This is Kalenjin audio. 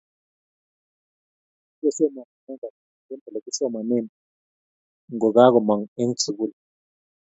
Bugosomani inendet eng olegisomanen ngogagomong eng sugul